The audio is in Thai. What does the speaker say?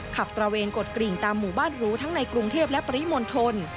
ตระเวนกดกริ่งตามหมู่บ้านหูทั้งในกรุงเทพและปริมณฑล